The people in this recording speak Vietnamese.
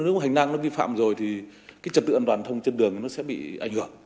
nếu một hành năng nó vi phạm rồi thì cái trật tự an toàn giao thông trên đường nó sẽ bị ảnh hưởng